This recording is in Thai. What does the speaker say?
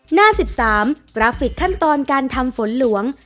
หน้า๑๓กราฟิกขั้นตอนการทำฝนหลวง